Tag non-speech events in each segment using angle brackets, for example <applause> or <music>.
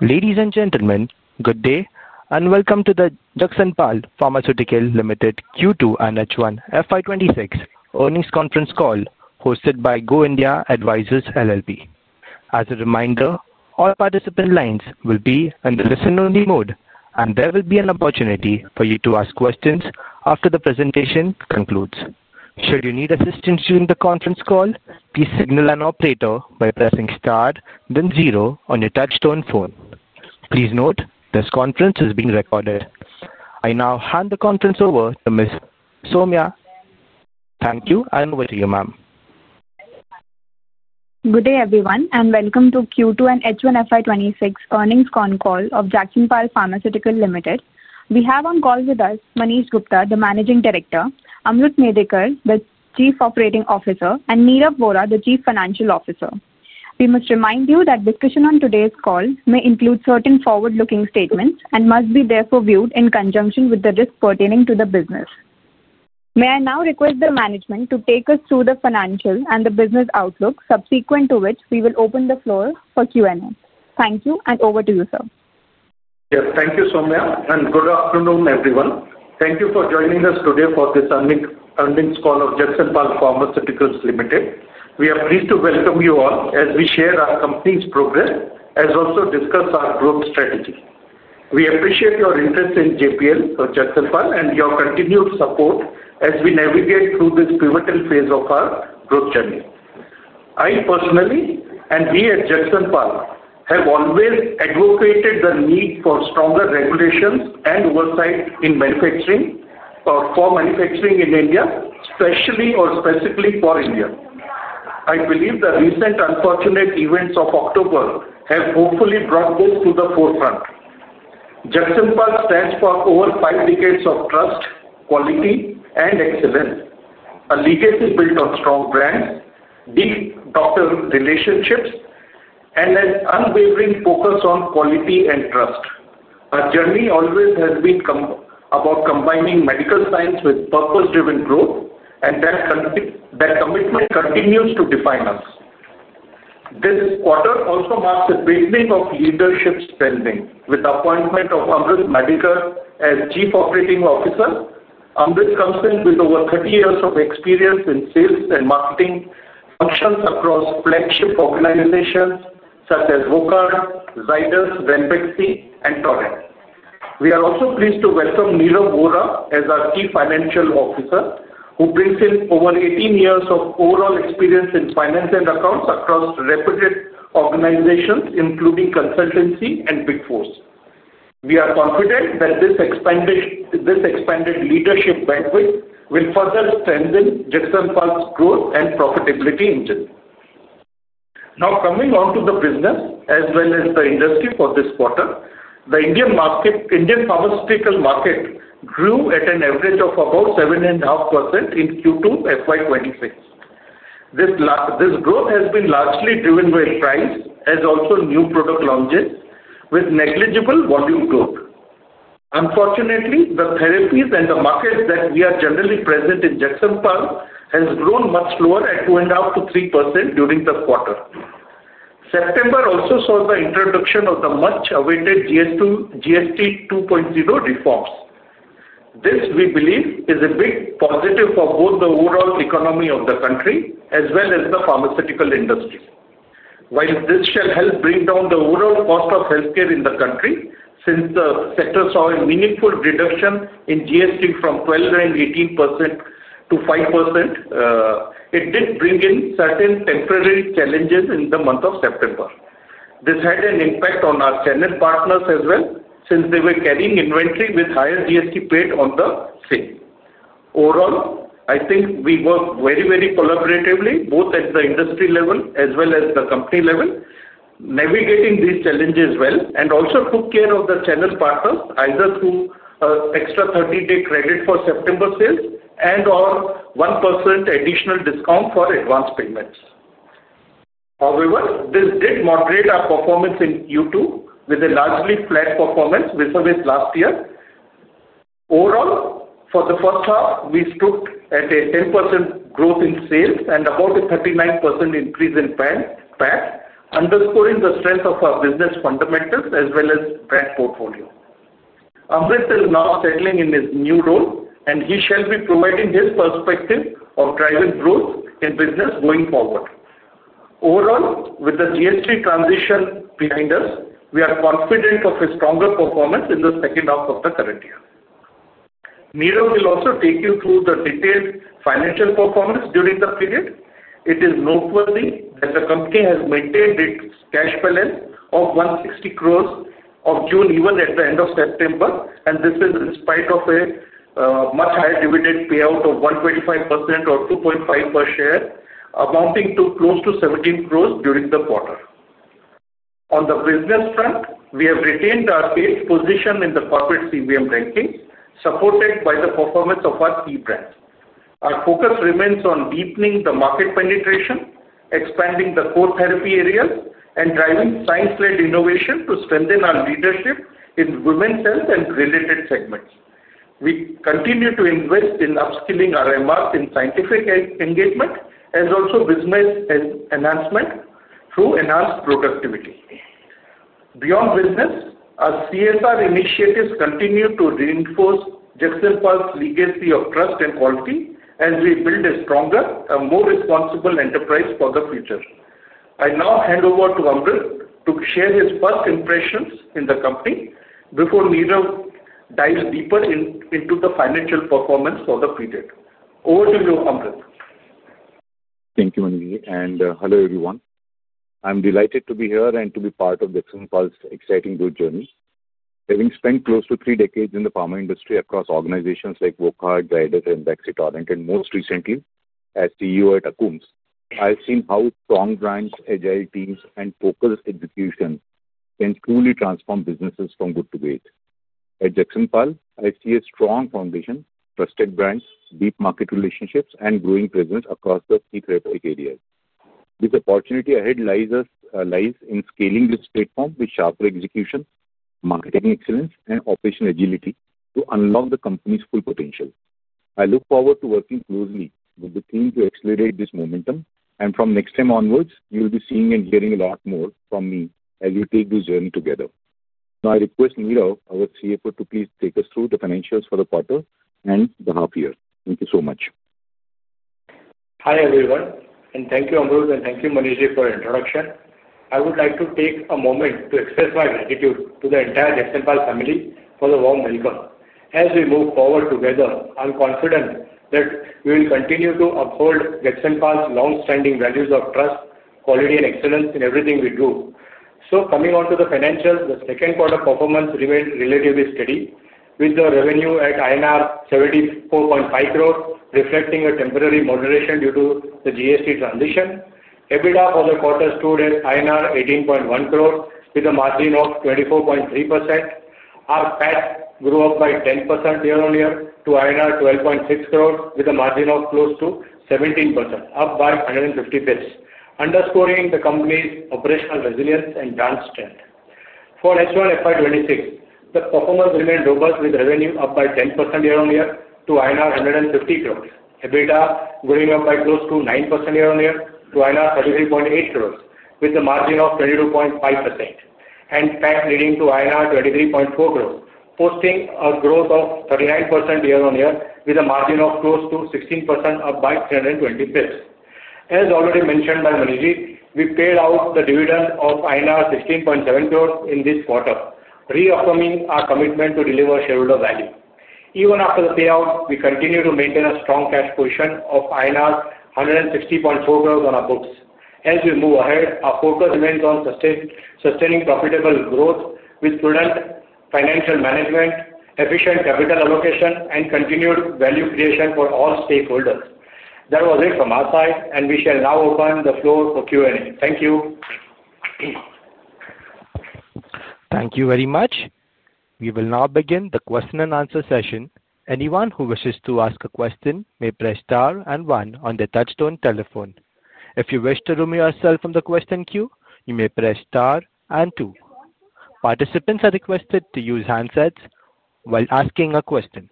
Ladies and gentlemen, good day and welcome to the Jagsonpal Pharmaceuticals Limited Q2 and H1 FY26 earnings conference call hosted by Go India Advisors LLP. As a reminder, all participant lines will be in the listen-only mode, and there will be an opportunity for you to ask questions after the presentation concludes. Should you need assistance during the conference call, please signal an operator by pressing star, then zero on your touch-tone phone. Please note this conference is being recorded. I now hand the conference over to Ms. Soumya. Thank you, and over to you, ma'am. Good day, everyone, and welcome to Q2 and H1 FY26 earnings con call of Jagsonpal Pharmaceuticals Limited. We have on call with us Manish Gupta, the Managing Director; Amrut Medhekar, the Chief Operating Officer; and Nirav Vora, the Chief Financial Officer. We must remind you that discussion on today's call may include certain forward-looking statements and must be therefore viewed in conjunction with the risk pertaining to the business. May I now request the management to take us through the financial and the business outlook, subsequent to which we will open the floor for Q&A. Thank you, and over to you, sir. Yes, thank you, Soumya, and good afternoon, everyone. Thank you for joining us today for this earnings call of Jagsonpal Pharmaceuticals Limited. We are pleased to welcome you all as we share our company's progress, as well as discuss our growth strategy. We appreciate your interest in JPL for Jagsonpal and your continued support as we navigate through this pivotal phase of our growth journey. I personally, and we at Jagsonpal, have always advocated the need for stronger regulations and oversight in manufacturing or for manufacturing in India, especially or specifically for India. I believe the recent unfortunate events of October have hopefully brought this to the forefront. Jagsonpal stands for over five decades of trust, quality, and excellence, a legacy built on strong brands, deep doctor relationships, and an unwavering focus on quality and trust. Our journey always has been about combining medical science with purpose-driven growth, and that commitment continues to define us. This quarter also marks a deepening of leadership spending. With the appointment of Amrut Medheker as Chief Operating Officer, Amrut comes in with over 30 years of experience in sales and marketing functions across flagship organizations such as Wockhardt, Zydus, Ranbaxy, and Torrent. We are also pleased to welcome Nirav Vora as our Chief Financial Officer, who brings in over 18 years of overall experience in finance and accounts across reputed organizations, including consultancy and big fours. We are confident that this expanded leadership bandwidth will further strengthen Jagsonpal's growth and profitability engine. Now, coming on to the business as well as the industry for this quarter, the Indian pharmaceutical market grew at an average of about 7.5% in Q2 FY26. This growth has been largely driven by price, as well as new product launches, with negligible volume growth. Unfortunately, the therapies and the markets that we are generally present in Jagsonpal have grown much slower, at 2.5%-3% during the quarter. September also saw the introduction of the much-awaited GST 2.0 reforms. This, we believe, is a big positive for both the overall economy of the country as well as the pharmaceutical industry. While this shall help bring down the overall cost of healthcare in the country, since the sector saw a meaningful reduction in GST from 12% and 18%-5%. It did bring in certain temporary challenges in the month of September. This had an impact on our channel partners as well, since they were carrying inventory with higher GST paid on the same. Overall, I think we worked very, very collaboratively, both at the industry level as well as the company level, navigating these challenges well and also took care of the channel partners, either through an extra 30-day credit for September sales and/or 1% additional discount for advance payments. However, this did moderate our performance in Q2, with a largely flat performance as of last year. Overall, for the first half, we stood at 10% growth in sales and about a 39% increase in PAT, underscoring the strength of our business fundamentals as well as the brand portfolio. Amrut is now settling into his new role, and he shall be providing his perspective on driving growth in business going forward. Overall, with the GST transition behind us, we are confident of a stronger performance in the second half of the current year. Nirav will also take you through the detailed financial performance during the period. It is noteworthy that the company has maintained its cash balance of 160 crore in June, even at the end of September, and this is in spite of a much higher dividend payout of 125% or 2.5 per share, amounting to close to 17 crore during the quarter. On the business front, we have retained our eighth position in the corporate CVM rankings, supported by the performance of our key brands. Our focus remains on deepening the market penetration, expanding the core therapy areas, and driving science-led innovation to strengthen our leadership in women's health and related segments. We continue to invest in upskilling our MRs in scientific engagement, as well as business enhancement through enhanced productivity. Beyond business, our CSR initiatives continue to reinforce Jagsonpal's legacy of trust and quality, as we build a stronger, more responsible enterprise for the future. I now hand over to Amrut to share his first impressions in the company before Nirav dives deeper into the financial performance for the period. Over to you, Amrut. Thank you, Manish, and hello, everyone. I'm delighted to be here and to be part of Jagsonpal's exciting growth journey. Having spent close to three decades in the pharma industry across organizations like Wockhardt, Zydus, and when I say Torrent, and most recently as CEO at Akums, I've seen how strong brands, agile teams, and focused execution can truly transform businesses from good to great. At Jagsonpal, I see a strong foundation, trusted brands, deep market relationships, and growing presence across the key therapeutic areas. This opportunity ahead lies in scaling this platform with sharper execution, marketing excellence, and operational agility to unlock the company's full potential. I look forward to working closely with the team to accelerate this momentum, and from next time onwards, you'll be seeing and hearing a lot more from me as we take this journey together. Now, I request Nirav, our CFO, to please take us through the financials for the quarter and the half year. Thank you so much. Hi, everyone, and thank you, Amrut, and thank you, Manish, for the introduction. I would like to take a moment to express my gratitude to the entire Jagsonpal family for the warm welcome. As we move forward together, I'm confident that we will continue to uphold Jagsonpal's long-standing values of trust, quality, and excellence in everything we do. Coming on to the financials, the second quarter performance remained relatively steady, with the revenue at INR 74.5 crore, reflecting a temporary moderation due to the GST transition. EBITDA for the quarter stood at INR 18.1 crore, with a margin of 24.3%. Our PAT grew up by 10% year-on-year to INR 12.6 crore, with a margin of close to 17%, up by 150 bps, underscoring the company's operational resilience and brand strength. For H1 FY26, the performance remained robust, with revenue up by 10% year-on-year to INR 150 crore, EBITDA going up by close to 9% year-on-year to INR 33.8 crore, with a margin of 22.5%, and PAT leading to INR 23.4 crore, posting a growth of 39% year-on-year with a margin of close to 16%, up by 320 bps. As already mentioned by Manish, we paid out the dividend of INR 16.7 crore in this quarter, reaffirming our commitment to deliver shareholder value. Even after the payout, we continue to maintain a strong cash position of INR 160.4 crore on our books. As we move ahead, our focus remains on sustaining profitable growth with prudent financial management, efficient capital allocation, and continued value creation for all stakeholders. That was it from our side, and we shall now open the floor for Q&A. Thank you. Thank you very much. We will now begin the question-and-answer session. Anyone who wishes to ask a question may press Star and 1 on the touch-tone telephone. If you wish to remove yourself from the question queue, you may press Star and 2. Participants are requested to use handsets while asking a question.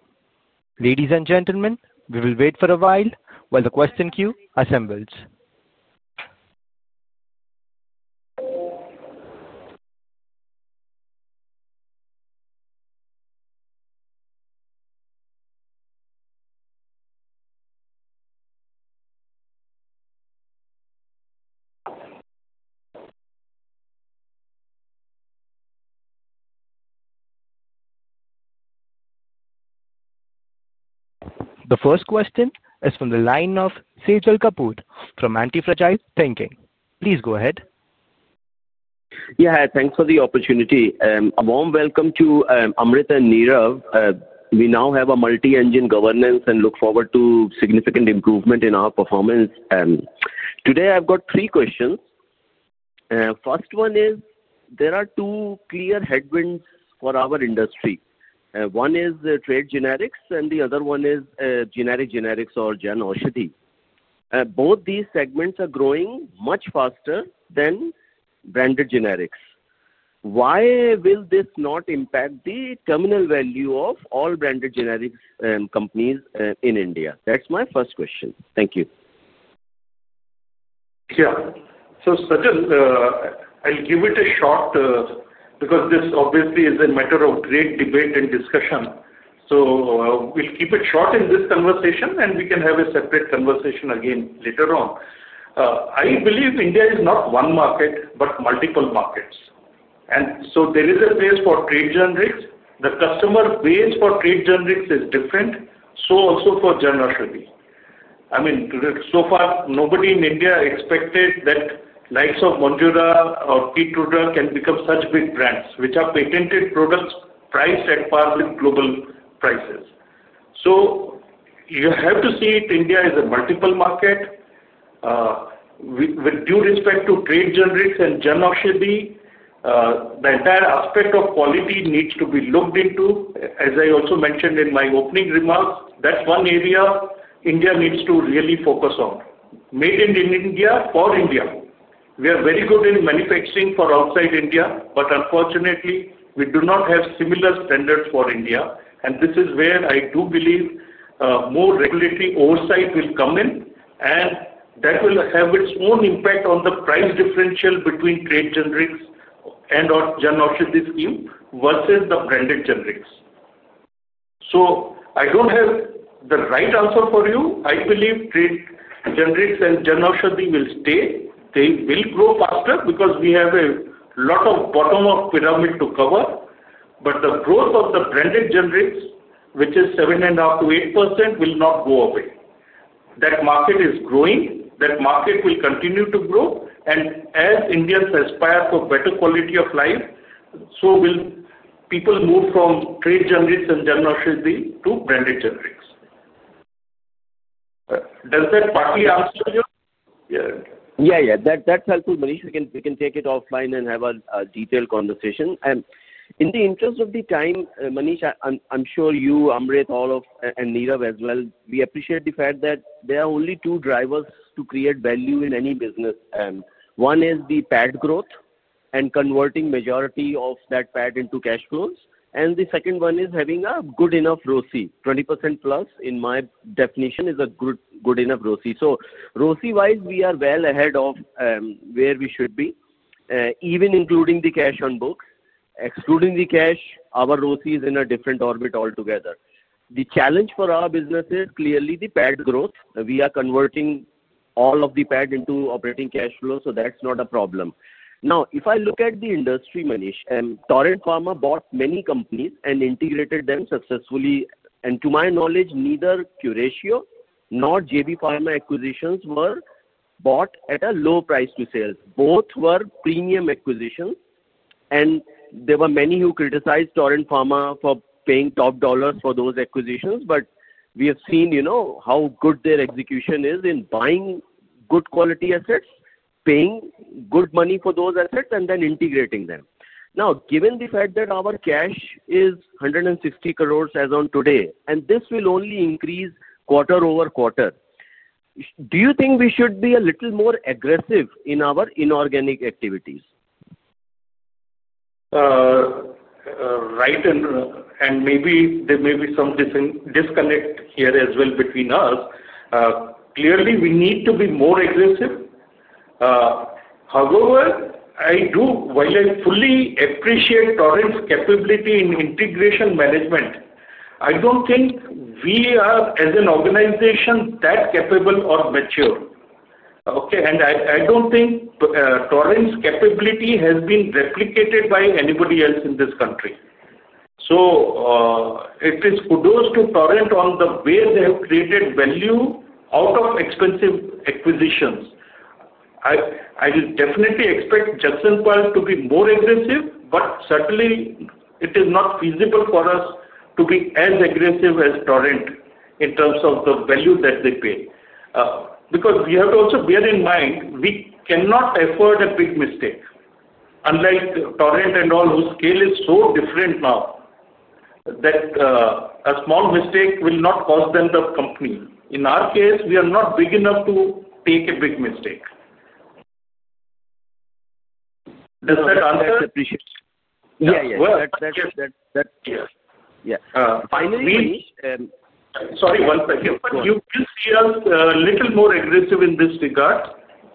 Ladies and gentlemen, we will wait for a while while the question queue assembles. The first question is from the line of Sajal Kapoor from Antifragile Thinking. Please go ahead. Yeah, thanks for the opportunity. A warm welcome to Amrut and Nirav. We now have a multi-engine governance and look forward to significant improvement in our performance. Today, I've got three questions. First one is, there are two clear headwinds for our industry. One is trade generics, and the other one is generic generics or generosity. Both these segments are growing much faster than branded generics. Why will this not impact the terminal value of all branded generics companies in India? That's my first question. Thank you. Yeah, so Sajal, I'll give it a shot. Because this obviously is a matter of great debate and discussion. We'll keep it short in this conversation, and we can have a separate conversation again later on. I believe India is not one market but multiple markets. There is a place for trade generics. The customer base for trade generics is different, so also for generosity. I mean, so far, nobody in India expected that likes of Mounjaro or KEYTRUDA can become such big brands, which are patented products priced at par with global prices. You have to see it, India is a multiple market. With due respect to trade generics and generosity, the entire aspect of quality needs to be looked into. As I also mentioned in my opening remarks, that's one area India needs to really focus on. Made in India for India. We are very good in manufacturing for outside India, but unfortunately, we do not have similar standards for India. This is where I do believe more regulatory oversight will come in, and that will have its own impact on the price differential between trade generics and/or generosity scheme versus the branded generics. I don't have the right answer for you. I believe trade generics and generosity will stay. They will grow faster because we have a lot of bottom of pyramid to cover. The growth of the branded generics, which is 7.5%-8%, will not go away. That market is growing. That market will continue to grow. As Indians aspire for better quality of life, so will people move from trade generics and generosity to branded generics. Does that partly answer your question? Yeah, yeah. That's helpful, Manish. We can take it offline and have a detailed conversation. In the interest of the time, Manish, I'm sure you, Amrut, all of Nirav as well, we appreciate the fact that there are only two drivers to create value in any business. One is the PAT growth and converting the majority of that PAT into cash flows. The second one is having a good enough ROCE. 20% plus, in my definition, is a good enough ROCE. ROCE-wise, we are well ahead of where we should be. Even including the cash on books, excluding the cash, our ROCE is in a different orbit altogether. The challenge for our business is clearly the PAT growth. We are converting all of the PAT into operating cash flow, so that's not a problem. Now, if I look at the industry, Manish, Torrent Pharma bought many companies and integrated them successfully. To my knowledge, neither Curatio nor JB Pharma acquisitions were bought at a low price to sale. Both were premium acquisitions, and there were many who criticized Torrent Pharma for paying top dollars for those acquisitions. We have seen how good their execution is in buying good quality assets, paying good money for those assets, and then integrating them. Now, given the fact that our cash is 160 crore as of today, and this will only increase quarter- over-quarter, do you think we should be a little more aggressive in our inorganic activities? Right, and maybe there may be some disconnect here as well between us. Clearly, we need to be more aggressive. However, while I fully appreciate Torrent's capability in integration management, I do not think we are, as an organization, that capable or mature. Okay? I do not think Torrent's capability has been replicated by anybody else in this country. It is kudos to Torrent on the way they have created value out of expensive acquisitions. I will definitely expect Jagsonpal to be more aggressive, but certainly, it is not feasible for us to be as aggressive as Torrent in terms of the value that they pay. We have to also bear in mind we cannot afford a big mistake. Unlike Torrent and all, whose scale is so different now, a small mistake will not cost them the company. In our case, we are not big enough to take a big mistake. Does that answer? That's appreciated. Yeah, that's clear. Yeah. Finally. Sorry, one second. You will see us a little more aggressive in this regard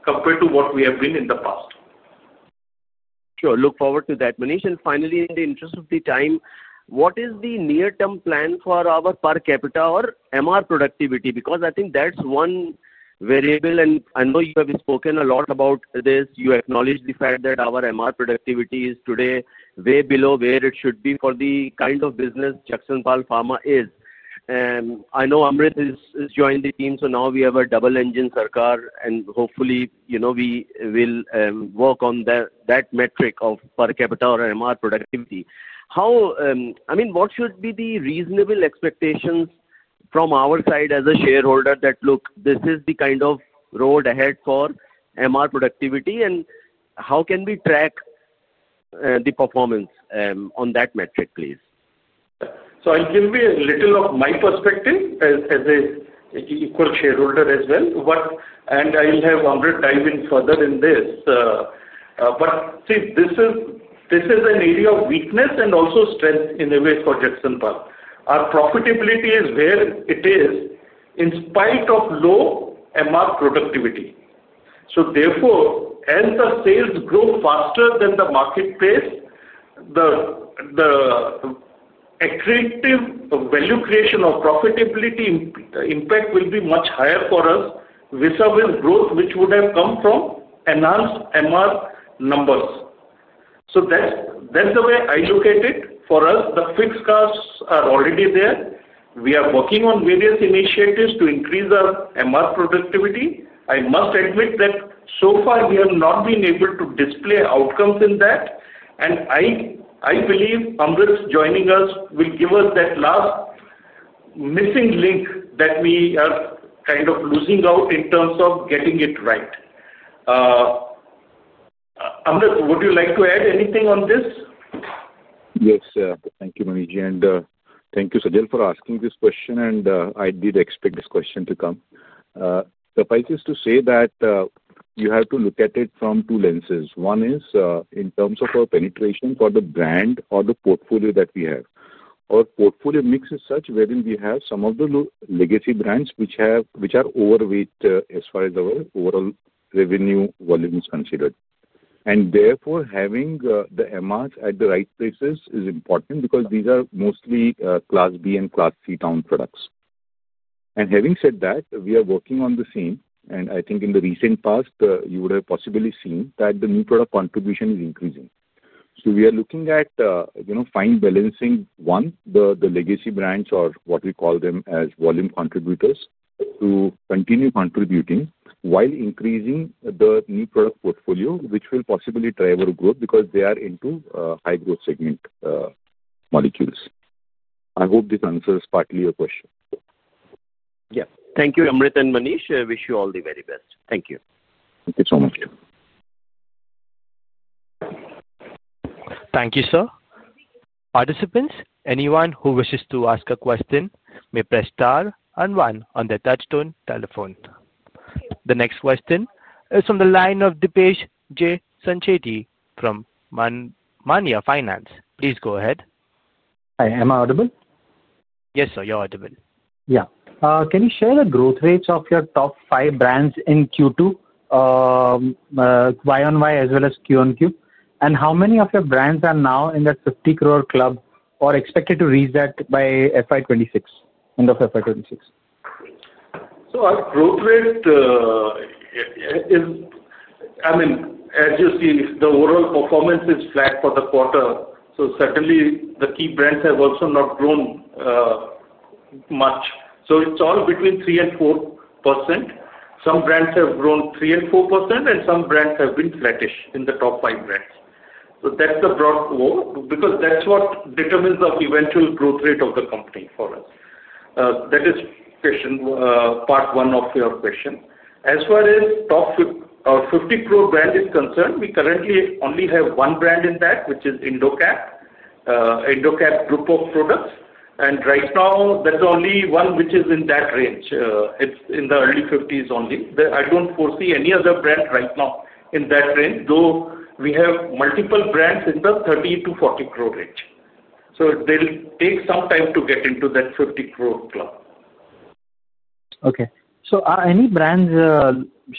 compared to what we have been in the past. Sure. Look forward to that, Manish. Finally, in the interest of the time, what is the near-term plan for our per capita or MR productivity? Because I think that's one variable, and I know you have spoken a lot about this. You acknowledge the fact that our MR productivity is today way below where it should be for the kind of business Jagsonpal Pharma is. I know Amrut has joined the team, so now we have a double engine Sarkar, and hopefully, we will work on that metric of per capita or MR productivity. I mean, what should be the reasonable expectations from our side as a shareholder that, look, this is the kind of road ahead for MR productivity, and how can we track the performance on that metric, please? I'll give you a little of my perspective as an equal shareholder as well. I'll have Amrut dive in further in this. This is an area of weakness and also strength in a way for Jagsonpal. Our profitability is where it is in spite of low MR productivity. Therefore, as the sales grow faster than the market pace, the attractive value creation or profitability impact will be much higher for us vis-à-vis growth, which would have come from enhanced MR numbers. That's the way I look at it for us. The fixed costs are already there. We are working on various initiatives to increase our MR productivity. I must admit that so far, we have not been able to display outcomes in that. I believe Amrut joining us will give us that last missing link that we are kind of losing out in terms of getting it right. Amrut, would you like to add anything on this? Yes, thank you, Manish. Thank you, Sajal, for asking this question, and I did expect this question to come. The point is to say that you have to look at it from two lenses. One is in terms of our penetration for the brand or the portfolio that we have. Our portfolio mix is such wherein we have some of the legacy brands which are overweight as far as our overall revenue volume is considered. Therefore, having the MRs at the right places is important because these are mostly Class B and Class C town products. Having said that, we are working on the same. I think in the recent past, you would have possibly seen that the new product contribution is increasing. We are looking at fine balancing, one, the legacy brands or what we call them as volume contributors to continue contributing while increasing the new product portfolio, which will possibly drive our growth because they are into high-growth segment molecules. I hope this answers partly your question. Yeah. Thank you, Amrut and Manish. I wish you all the very best. Thank you. Thank you so much. Thank you, sir. Participants, anyone who wishes to ask a question may press Star and 1 on the touch-tone telephone. The next question is from the line of Deepesh J. Sancheti from MAANYA FINANCE. Please go ahead. Hi, am I audible? Yes, sir, you're audible. Yeah. Can you share the growth rates of your top five brands in Q2 YoY as well as QoQ? And how many of your brands are now in that 50 crore club or expected to reach that by end of FY 2026? Our growth rate is, I mean, as you see, the overall performance is flat for the quarter. Certainly, the key brands have also not grown much. It is all between 3% and 4%. Some brands have grown 3% and 4%, and some brands have been flattish in the top five brands. That is the broad overall because that is what determines the eventual growth rate of the company for us. That is part one of your question. As far as the top 50 crore brand is concerned, we currently only have one brand in that, which is Indocap, Indocap group of products. Right now, that is the only one which is in that range. It is in the early 50 crore only. I do not foresee any other brand right now in that range, though we have multiple brands in the 30 crore-40 crore range. They will take some time to get into that 50 crore club. Okay. So are any brands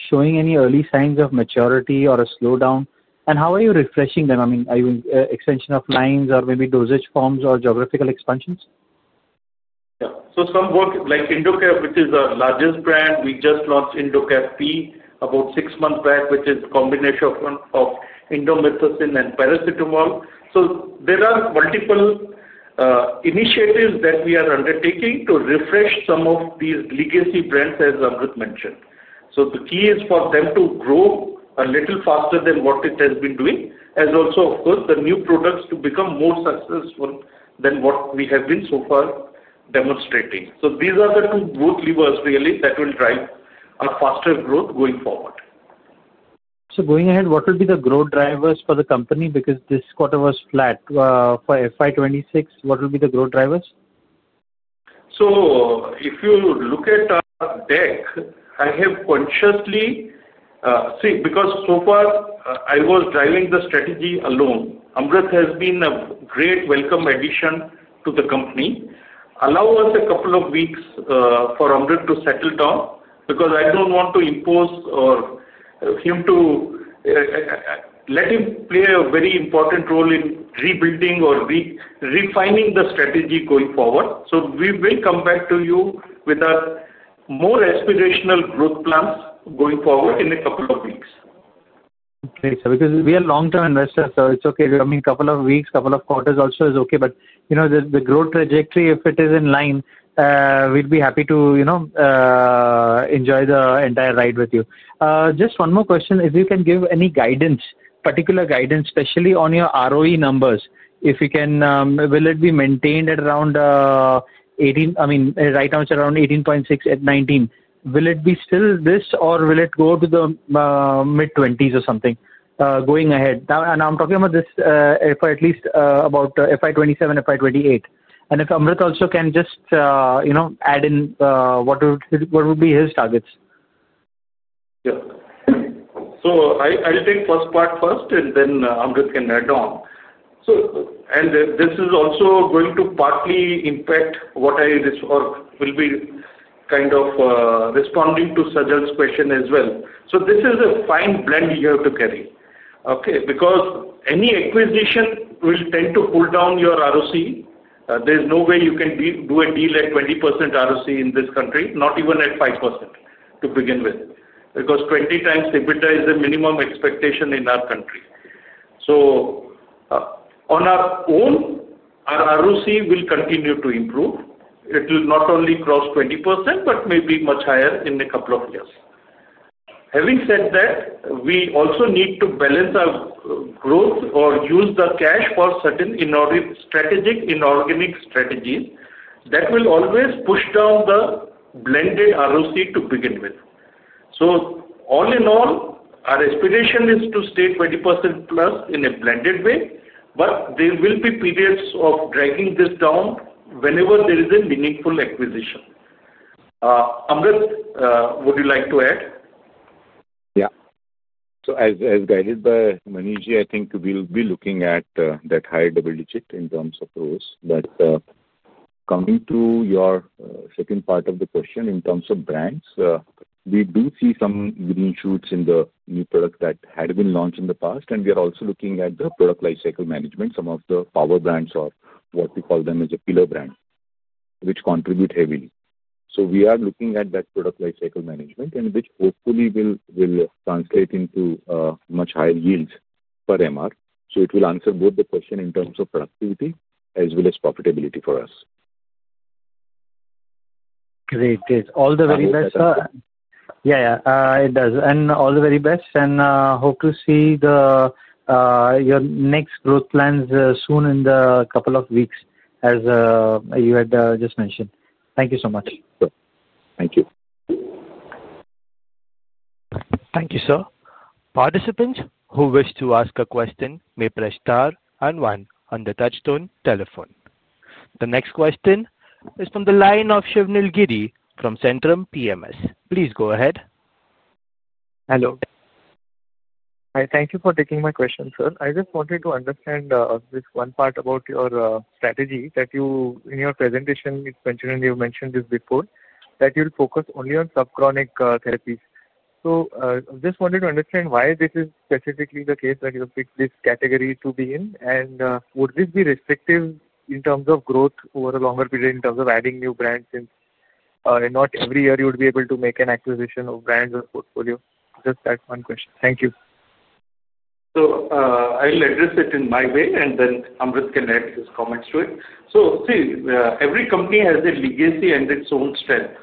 showing any early signs of maturity or a slowdown? And how are you refreshing them? I mean, are you extension of lines or maybe dosage forms or geographical expansions? Yeah. Some work like Indocap, which is our largest brand. We just launched Indocap P about six months back, which is a combination of indomethacin and paracetamol. There are multiple initiatives that we are undertaking to refresh some of these legacy brands, as Amrut mentioned. The key is for them to grow a little faster than what it has been doing, as also, of course, the new products to become more successful than what we have been so far demonstrating. These are the two growth levers, really, that will drive a faster growth going forward. Going ahead, what will be the growth drivers for the company? Because this quarter was flat. For FY 2026, what will be the growth drivers? If you look at our deck, I have consciously. See, because so far, I was driving the strategy alone. Amrut has been a great welcome addition to the company. Allow us a couple of weeks for Amrut to settle down because I do not want to impose or. Him to. Let him play a very important role in rebuilding or refining the strategy going forward. We will come back to you with our more aspirational growth plans going forward in a couple of weeks. Okay, sir. Because we are long-term investors, so it's okay. I mean, a couple of weeks, a couple of quarters also is okay. The growth trajectory, if it is in line, we'd be happy to. Enjoy the entire ride with you. Just one more question. If you can give any guidance, particular guidance, especially on your ROE numbers, if you can, will it be maintained at around 18? I mean, right now it's around 18.6 and 19. Will it be still this, or will it go to the mid-20s or something going ahead? I'm talking about this for at least about FY 2027, FY 2028. If Amrut also can just add in what would be his targets. Yeah. I'll take the first part first, and then Amrut can add on. This is also going to partly impact what I will be kind of responding to Sajal question as well. This is a fine blend you have to carry, okay? Because any acquisition will tend to pull down your ROCE. There's no way you can do a deal at 20% ROCE in this country, not even at 5% to begin with, because 20 times EBITDA is the minimum expectation in our country. On our own, our ROCE will continue to improve. It will not only cross 20%, but may be much higher in a couple of years. Having said that, we also need to balance our growth or use the cash for certain strategic inorganic strategies that will always push down the blended ROCE to begin with. All in all, our aspiration is to stay 20% plus in a blended way, but there will be periods of dragging this down whenever there is a meaningful acquisition. Amrut, would you like to add? Yeah. As guided by Manish, I think we'll be looking at that higher double digit in terms of growth. Coming to your second part of the question, in terms of brands, we do see some green shoots in the new product that had been launched in the past. We are also looking at the product lifecycle management, some of the power brands or what we call them as a pillar brand, which contribute heavily. We are looking at that product lifecycle management, which hopefully will translate into much higher yields per MR. It will answer both the question in terms of productivity as well as profitability for us. Great. All the very best. Yeah, it does. All the very best and hope to see your next growth plans soon in the couple of weeks, as you had just mentioned. Thank you so much. Sure. Thank you. Thank you, sir. Participants who wish to ask a question may press star and 1 on the touch-tone telephone. The next question is from the line of Shivnil Giri from Centrum PMS. Please go ahead. Hello. Hi. Thank you for taking my question, sir. I just wanted to understand this one part about your strategy that you, in your presentation, you mentioned this before, that you'll focus only on sub-chronic therapies. I just wanted to understand why this is specifically the case that you picked this category to be in. Would this be restrictive in terms of growth over a longer period in terms of adding new brands since not every year you would be able to make an acquisition of brands or portfolio? Just that one question. Thank you. I'll address it in my way, and then Amrut can add his comments to it. See, every company has a legacy and its own strength.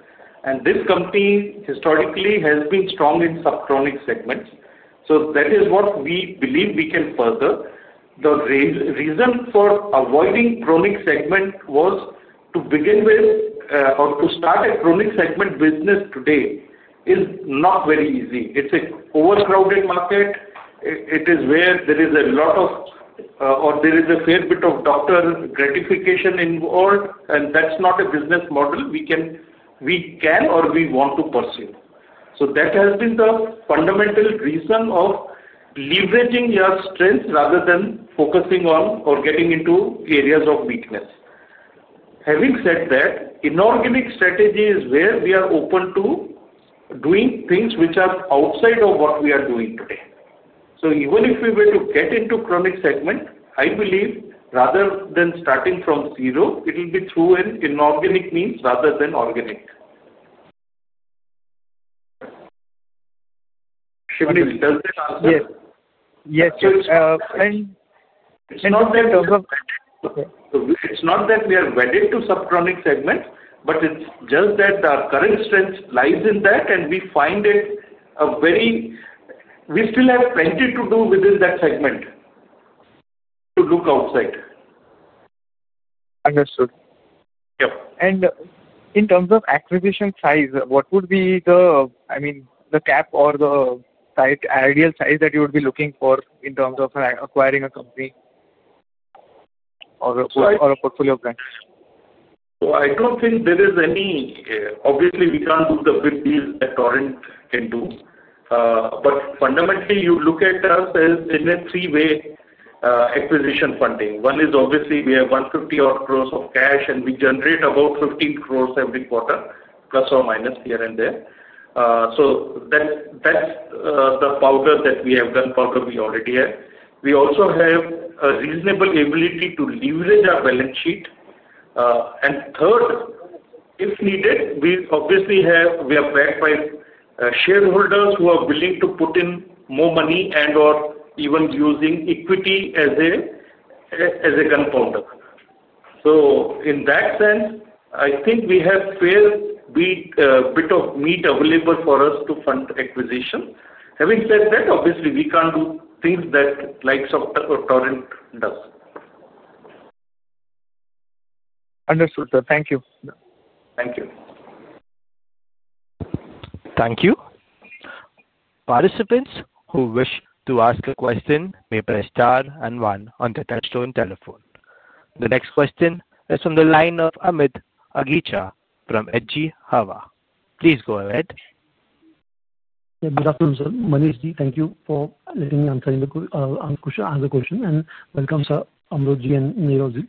This company historically has been strong in sub-chronic segments. That is what we believe we can further. The reason for avoiding chronic segment was, to begin with, or to start a chronic segment business today is not very easy. It's an overcrowded market. It is where there is a lot of, or there is a fair bit of doctor gratification involved, and that's not a business model we can or we want to pursue. That has been the fundamental reason of leveraging your strengths rather than focusing on or getting into areas of weakness. Having said that, inorganic strategy is where we are open to doing things which are outside of what we are doing today. Even if we were to get into chronic segment, I believe rather than starting from zero, it will be through inorganic means rather than organic. Shivnil, does that answer? Yes. Yes, yes. It's not that we are wedded to sub-chronic segments, but it's just that our current strength lies in that, and we find it a very—we still have plenty to do within that segment to look outside. Understood. In terms of acquisition size, what would be the, I mean, the cap or the ideal size that you would be looking for in terms of acquiring a company or a portfolio of brands? I do not think there is any. Obviously, we cannot do the big deals that Torrent can do. Fundamentally, you look at us as in a three-way. Acquisition funding. One is obviously we have 150 crore of cash, and we generate about 15 crore every quarter, plus or minus here and there. That is the powder that we have done, powder we already have. We also have a reasonable ability to leverage our balance sheet. Third, if needed, we obviously have, we are backed by shareholders who are willing to put in more money and/or even using equity as a gunpowder. In that sense, I think we have a fair bit of meat available for us to fund acquisition. Having said that, obviously, we cannot do things like Torrent does. Understood, sir. Thank you. Thank you. Thank you. Participants who wish to ask a question may press Star and 1 on the touch-tone telephone. The next question is from the line of Amit Aghicha from HG Hawa. Please go ahead. Good afternoon, sir. Manish Ji, thank you for letting me answer the question. And welcome, sir, Amrut Ji and Nirav.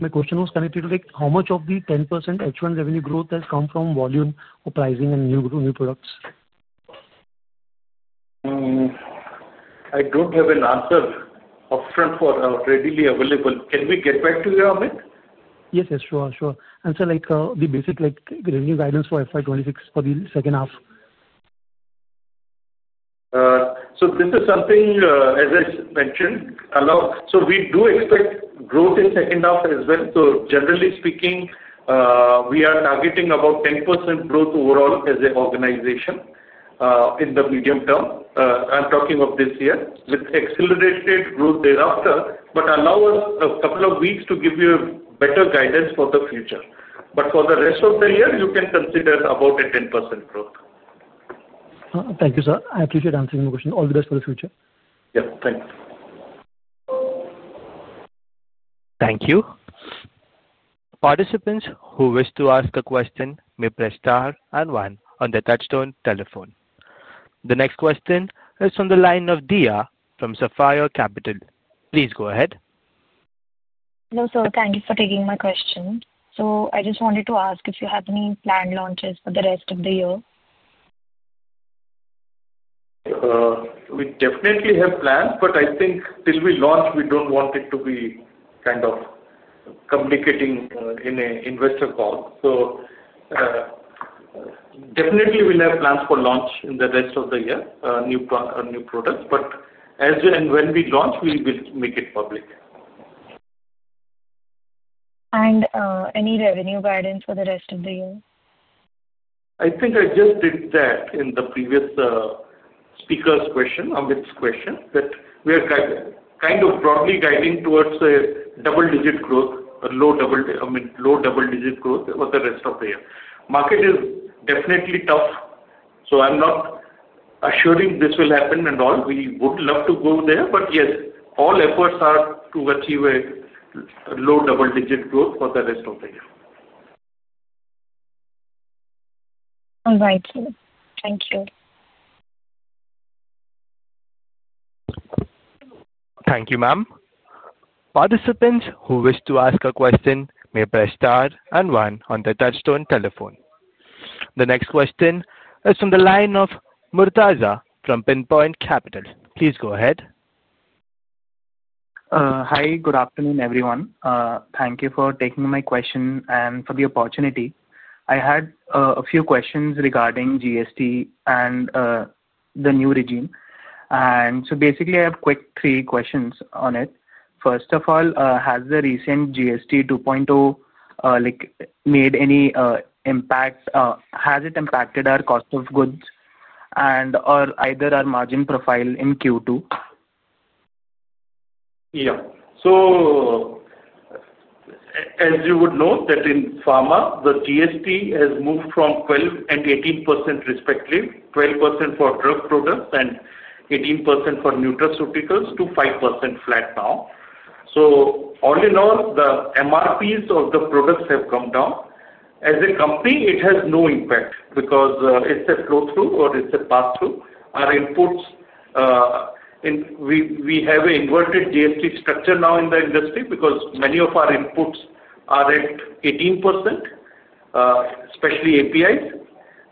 My question was connected to how much of the 10% H1 revenue growth has come from volume or pricing and new products? I don't have an answer upfront or readily available. Can we get back to you, Amit? Yes, yes. Sure, sure. Sir, the basic revenue guidance for FY26 for the second half? This is something, as I mentioned, a lot, so we do expect growth in the second half as well. Generally speaking, we are targeting about 10% growth overall as an organization in the medium term. I'm talking of this year with accelerated growth thereafter, but allow us a couple of weeks to give you better guidance for the future. For the rest of the year, you can consider about a 10% growth. Thank you, sir. I appreciate answering your question. All the best for the future. Yeah. Thanks. Thank you. Participants who wish to ask a question may press star and 1 on the touch-tone telephone. The next question is from the line of Dia from Sapphire Capital. Please go ahead. Hello, sir. Thank you for taking my question. I just wanted to ask if you have any planned launches for the rest of the year? We definitely have plans, but I think till we launch, we do not want it to be kind of complicating in an investor call. Definitely, we will have plans for launch in the rest of the year, new products. As and when we launch, we will make it public. Any revenue guidance for the rest of the year? I think I just did that in the previous speaker's question, Amit's question, that we are kind of broadly guiding towards a double-digit growth, low double-digit growth for the rest of the year. Market is definitely tough. I'm not assuring this will happen and all. We would love to go there, but yes, all efforts are to achieve a low double-digit growth for the rest of the year. All right. Thank you. Thank you, ma'am. Participants who wish to ask a question may press star and 1 on the touch-tone telephone. The next question is from the line of Murtaza from PinPoint Capital. Please go ahead. Hi. Good afternoon, everyone. Thank you for taking my question and for the opportunity. I had a few questions regarding GST and the new regime. I have quick three questions on it. First of all, has the recent GST 2.0 made any impact? Has it impacted our cost of goods and/or either our margin profile in Q2? Yeah. So. As you would note, that in pharma, the GST has moved from 12% and 18% respectively, 12% for drug products and 18% for nutraceuticals to 5% flat now. All in all, the MRPs of the products have come down. As a company, it has no impact because it's a flow-through or it's a pass-through. Our inputs. We have an inverted GST structure now in the industry because many of our inputs are at 18%, especially APIs,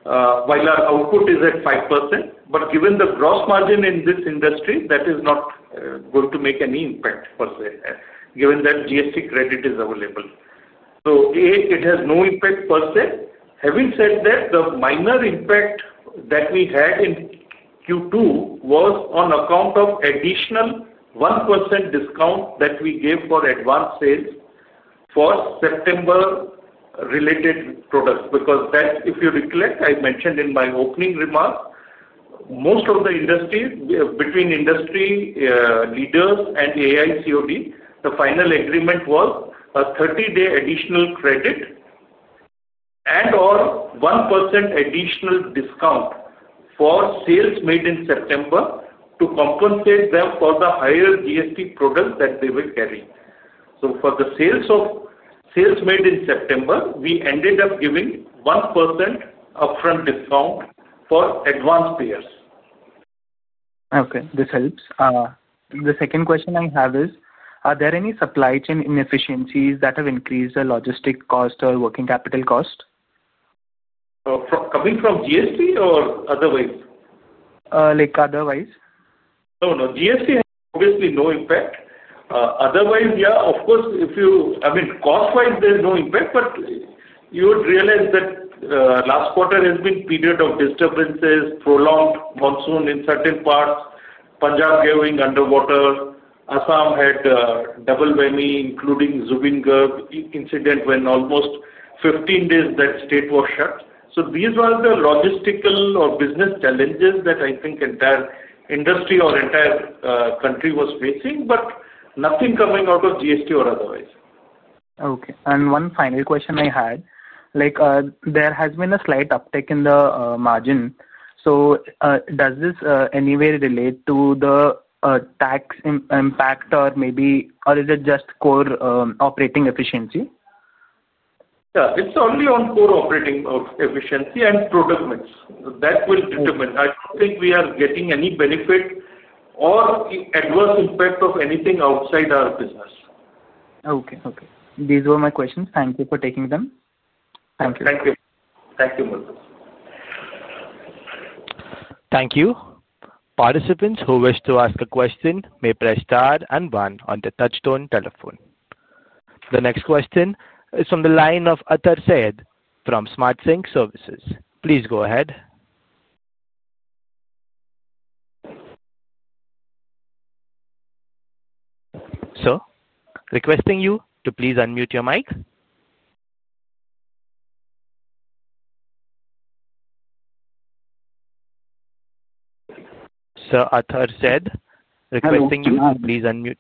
while our output is at 5%. Given the gross margin in this industry, that is not going to make any impact per se, given that GST credit is available. It has no impact per se. Having said that, the minor impact that we had in Q2 was on account of additional 1% discount that we gave for advance sales for September related products. If you recollect, I mentioned in my opening remarks, most of the industry, between industry leaders and AIOCD, the final agreement was a 30-day additional credit and/or 1% additional discount for sales made in September to compensate them for the higher GST products that they will carry. For the sales made in September, we ended up giving 1% upfront discount for advance payers. Okay. This helps. The second question I have is, are there any supply chain inefficiencies that have increased the logistic cost or working capital cost? Coming from GST or otherwise? Otherwise. No, no. GST has obviously no impact. Otherwise, yeah, of course, if you, I mean, cost-wise, there's no impact, but you would realize that last quarter has been a period of disturbances, prolonged monsoon in certain parts, Punjab going underwater, Assam had double whammy, including Zubeen Garg incident when almost 15 days that state was shut. These were the logistical or business challenges that I think entire industry or entire country was facing, but nothing coming out of GST or otherwise. Okay. And one final question I had. There has been a slight uptick in the margin. Does this anywhere relate to the tax impact or maybe or is it just core operating efficiency? Yeah. It's only on core operating efficiency and product mix. That will determine. I don't think we are getting any benefit or adverse impact of anything outside our business. Okay. Okay. These were my questions. Thank you for taking them. Thank you. Thank you. Thank you, Murtaza. Thank you. Participants who wish to ask a question may press Star and 1 on the touch-tone telephone. The next question is from the line of Attar Syed from Smart Sync Services. Please go ahead. Sir, requesting you to please unmute your mic. Sir Attar Syed, requesting you to please unmute.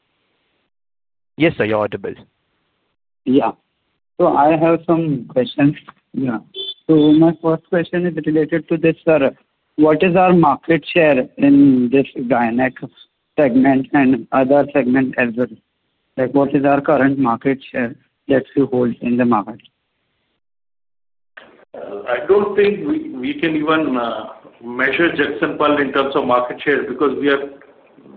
Yes, sir. You're audible. Yeah. I have some questions. Yeah. My first question is related to this, sir. What is our market share in this gynec segment and other segment as well? What is our current market share that you hold in the market? I don't think we can even measure Jagsonpal in terms of market share because we are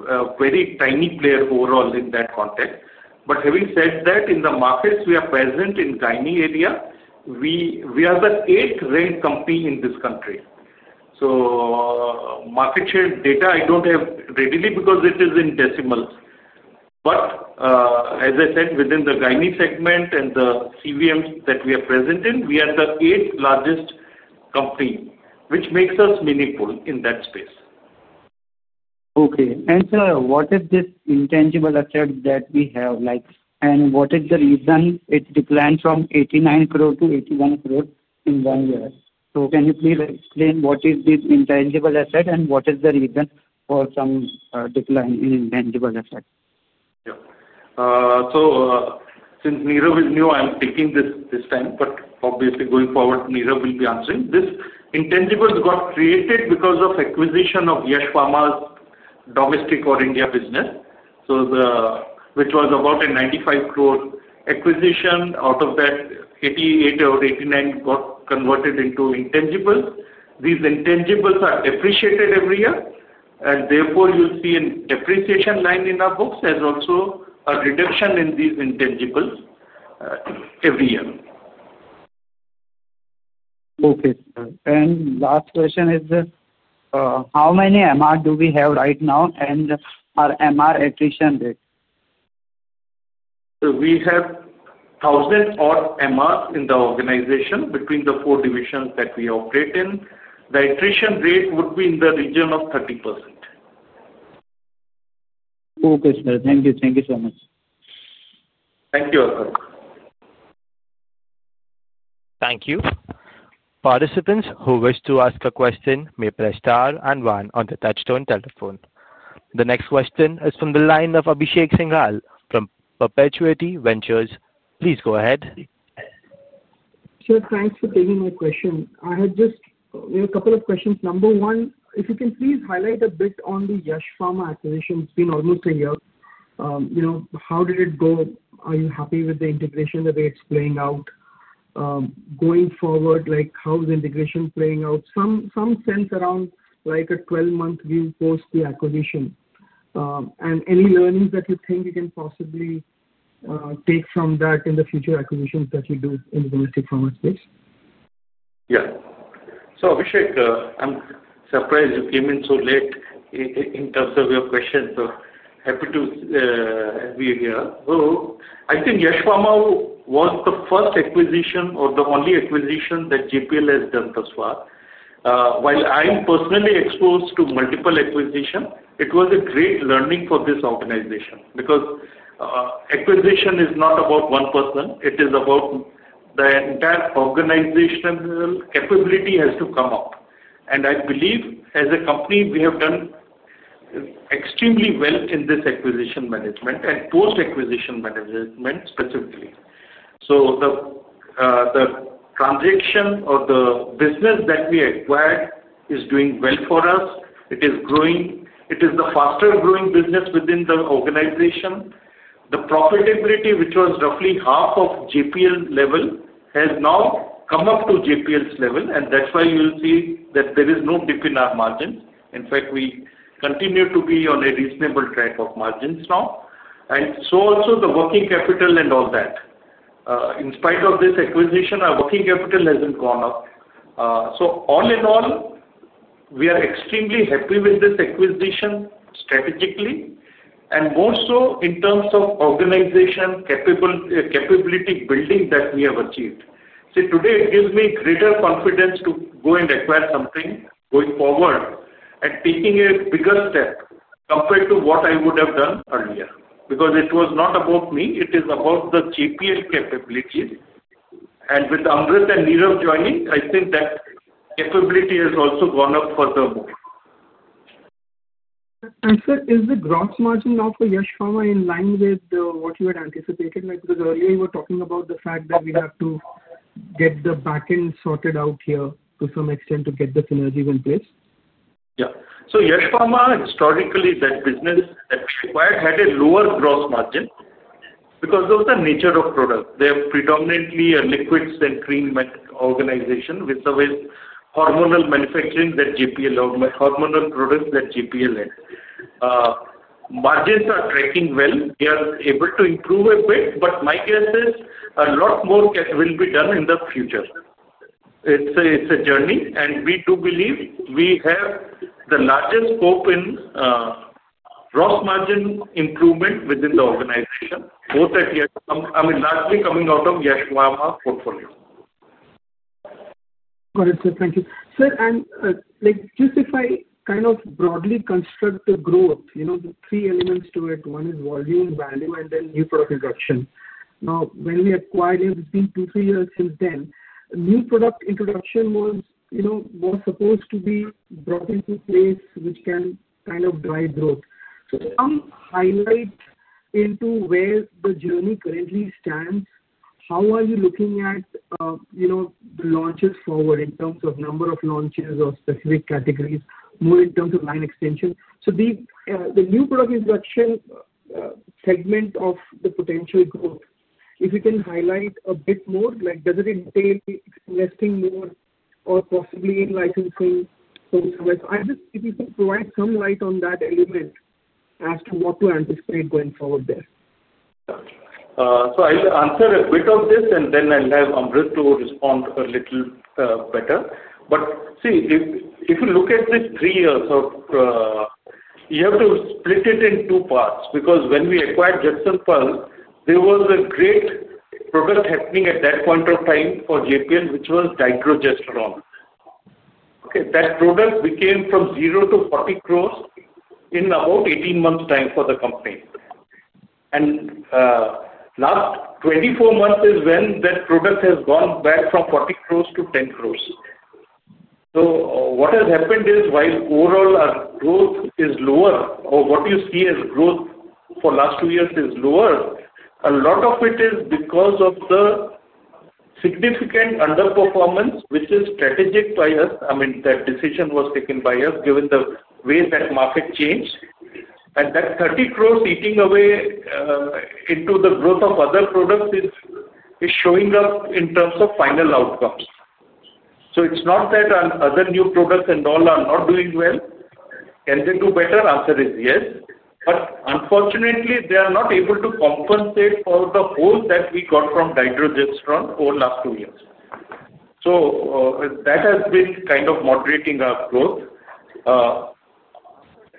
a very tiny player overall in that context. However, having said that, in the markets we are present in the gynec area, we are the eighth-ranked company in this country. Market share data, I don't have readily because it is in decimals. As I said, within the gynec segment and the CVMs that we are present in, we are the eighth-largest company, which makes us meaningful in that space. Okay. Sir, what is this intangible asset that we have? What is the reason it declined from 89 crore to 81 crore in one year? Can you please explain what is this intangible asset and what is the reason for some decline in intangible asset? Yeah. Since Nirav will know, I'm taking this time, but obviously going forward, Nirav will be answering. This intangible got created because of acquisition of Yash Pharma's domestic or India business. Which was about 95 crore acquisition. Out of that, 88 crore or 89 crore got converted into intangibles. These intangibles are depreciated every year. Therefore, you'll see a depreciation line in our books as also a reduction in these intangibles every year. Okay, sir. Last question is, how many MR do we have right now and our MR attrition rate? We have 1,000 MRs in the organization between the four divisions that we operate in. The attrition rate would be in the region of 30%. Okay, sir. Thank you. Thank you so much. Thank you, sir. Thank you. Participants who wish to ask a question may press star and 1 on the touch-tone telephone. The next question is from the line of Abhishek Singhal from Perpetuity Ventures. Please go ahead. Sir, thanks for taking my question. I had just a couple of questions. Number one, if you can please highlight a bit on the Yash Pharma acquisition. It's been almost a year. How did it go? Are you happy with the integration that it's playing out? Going forward, how is the integration playing out? Some sense around a 12-month view post the acquisition. And any learnings that you think you can possibly take from that in the future acquisitions that you do in the domestic pharma space? Yeah. So, Abhishek, I'm surprised you came in so late in terms of your questions. So happy to be here. I think Yash Pharma was the first acquisition or the only acquisition that JPL has done thus far. While I'm personally exposed to multiple acquisitions, it was a great learning for this organization because acquisition is not about one person. It is about the entire organizational capability has to come up. I believe, as a company, we have done extremely well in this acquisition management and post-acquisition management specifically. The transaction or the business that we acquired is doing well for us. It is growing. It is the faster-growing business within the organization. The profitability, which was roughly half of JPL level, has now come up to JPL's level. That's why you'll see that there is no dip in our margins. In fact, we continue to be on a reasonable track of margins now. Also the working capital and all that. In spite of this acquisition, our working capital hasn't gone up. All in all, we are extremely happy with this acquisition strategically, and more so in terms of organization capability building that we have achieved. See, today, it gives me greater confidence to go and acquire something going forward and taking a bigger step compared to what I would have done earlier because it was not about me. It is about the JPL capabilities. With Amrut and Nirav joining, I think that capability has also gone up furthermore. Sir, is the gross margin now for Yash Pharma in line with what you had anticipated? Because earlier, you were talking about the fact that we have to get the backend sorted out here to some extent to get the synergies in place. Yeah. Yash Pharma, historically, that business acquired had a lower gross margin because of the nature of products. They are predominantly a liquids and cream organization with hormonal manufacturing that JPL, hormonal products that JPL had. Margins are tracking well. We are able to improve a bit, but my guess is a lot more will be done in the future. It's a journey. We do believe we have the largest scope in gross margin improvement within the organization, both at Yash, I mean, largely coming out of Yash Pharma portfolio. Got it, sir. Thank you. Sir, and just if I kind of broadly construct the growth, the three elements to it, one is volume, value, and then new product introduction. Now, when we acquired, it's been two-three years since then. New product introduction was supposed to be brought into place, which can kind of drive growth. Some highlight into where the journey currently stands. How are you looking at the launches forward in terms of number of launches or specific categories, more in terms of line extension? The new product introduction segment of the potential growth, if you can highlight a bit more, does it entail investing more or possibly in licensing? I just need you to provide some light on that element as to what to anticipate going forward there. Gotcha. I'll answer a bit of this, and then I'll have Amrut respond a little better. If you look at this three years of, you have to split it in two parts because when we acquired Jagsonpal, there was a great product happening at that point of time for JPL, which was Dydrogesterone. That product became from 0 to 40 crore in about 18 months' time for the company. The last 24 months is when that product has gone back from INR 40crore-INR 10 crore. What has happened is, while overall our growth is lower, or what you see as growth for the last two years is lower, a lot of it is because of the significant underperformance, which is strategic by us. I mean, that decision was taken by us given the way that market changed. That 30 crore eating away into the growth of other products is showing up in terms of final outcomes. It's not that other new products and all are not doing well. Can they do better? The answer is yes. Unfortunately, they are not able to compensate for the hole that we got from Dydrogesterone over the last two years. That has been kind of moderating our growth.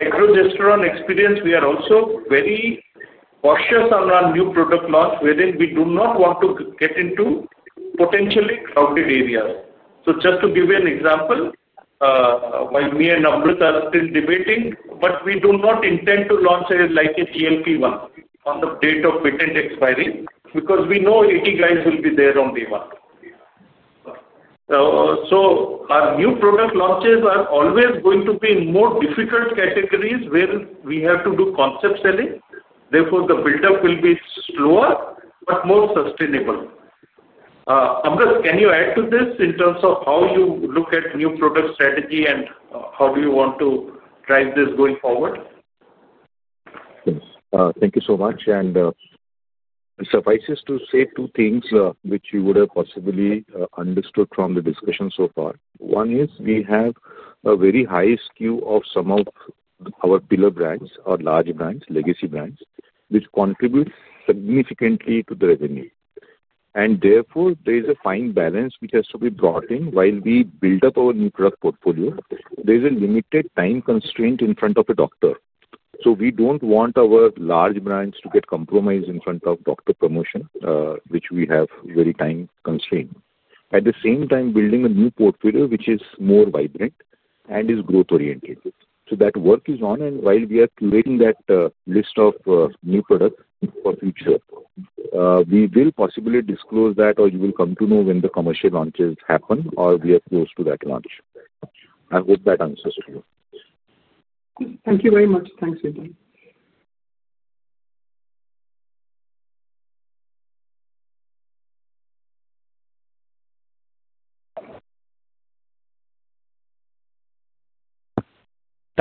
Dydrogesterone experience, we are also very cautious around new product launch wherein we do not want to get into potentially crowded areas. Just to give you an example, while me and Amrut are still debating, we do not intend to launch like a GLP-1 on the date of patent expiry because we know 80 guys will be there on day one. Our new product launches are always going to be in more difficult categories where we have to do concept selling. Therefore, the buildup will be slower but more sustainable. Amrut, can you add to this in terms of how you look at new product strategy and how do you want to drive this going forward? Thank you so much. It suffices to say two things which you would have possibly understood from the discussion so far. One is we have a very high SKU of some of our pillar brands or large brands, legacy brands, which contribute significantly to the revenue. Therefore, there is a fine balance which has to be brought in while we build up our new product portfolio. There is a limited time constraint in front of a doctor. We do not want our large brands to get compromised in front of doctor promotion, which we have very time constraint. At the same time, building a new portfolio which is more vibrant and is growth-oriented. That work is on. While we are curating that list of new products for future, we will possibly disclose that or you will come to know when the commercial launches happen or we are close to that launch. I hope that answers to you. Thank you very much. Thanks, <audio distortion>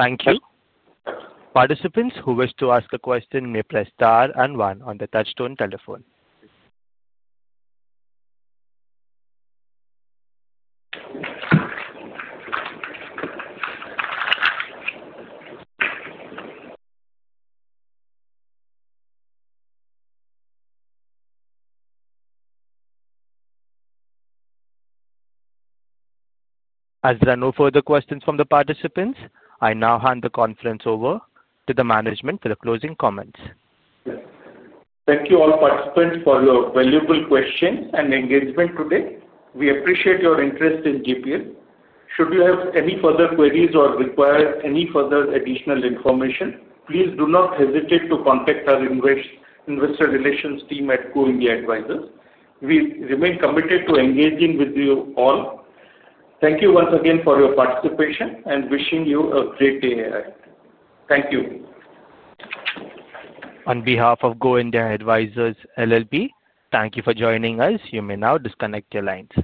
Thank you. Participants who wish to ask a question may press Star and 1 on the touch-tone telephone. As there are no further questions from the participants, I now hand the conference over to the management for the closing comments. Thank you all participants for your valuable questions and engagement today. We appreciate your interest in JPL. Should you have any further queries or require any further additional information, please do not hesitate to contact our Investor Relations team at Go India Advisors. We remain committed to engaging with you all. Thank you once again for your participation and wishing you a great day ahead. Thank you. On behalf of Go India Advisors LLP, thank you for joining us. You may now disconnect your lines.